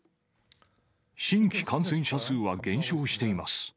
新規感染者数は減少しています。